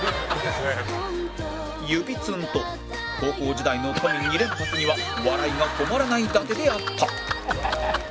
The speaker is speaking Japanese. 指ツンと高校時代のトミ２連発には笑いが止まらない伊達であった